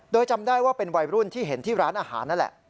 โดยจำได้ว่าเป็นวัยรุ่นที่เห็นที่ร้านอาหารนั่นแหละ